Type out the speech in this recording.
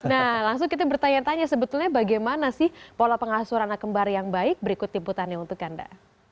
nah langsung kita bertanya tanya sebetulnya bagaimana sih pola pengasuran anak kembar yang baik berikut liputannya untuk anda